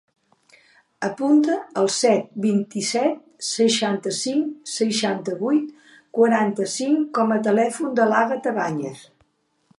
Apunta el set, vint-i-set, seixanta-cinc, seixanta-vuit, quaranta-cinc com a telèfon de l'Àgata Bañez.